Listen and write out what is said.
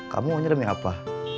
kamu aja demi apa